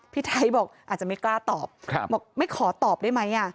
พี่ไทยบอกอาจจะไม่กล้าตอบบอกไม่ขอตอบได้ไหม